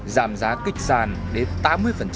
giảm giá kích sàn đến tám mươi